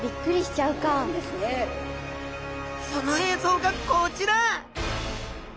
その映像がこちら。